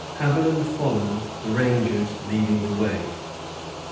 Haviland followed, the rangers leading the way.